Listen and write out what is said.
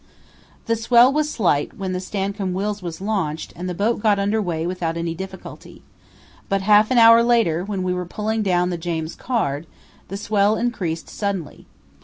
The swell was slight when the Stancomb Wills was launched and the boat got under way without any difficulty; but half an hour later, when we were pulling down the James Caird, the swell increased suddenly.